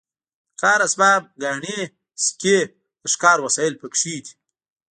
د کار اسباب ګاڼې سکې د ښکار وسایل پکې دي.